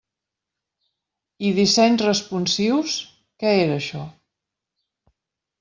I dissenys responsius… què era això?